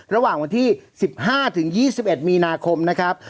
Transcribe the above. ระหว่างวันที่๑๕๒๑มีนาคมนะครับ